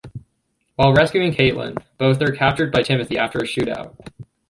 While rescuing Caitlin both are captured by Timothy after a shoot out.